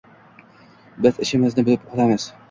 Biz ishimizni bilib qilamiz.